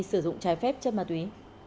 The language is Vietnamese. sử dụng trái phép chất ma túy